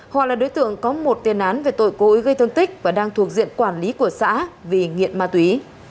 hòa là đối tượng có một tiền án về tội cố ý gây thương tích và đang thuộc diện quản lý của xã vì nghiện ma túy